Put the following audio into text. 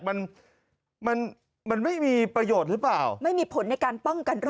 มันไม่มีประโยชน์หรือเปล่าไม่มีผลในการป้องกันรอบโววิด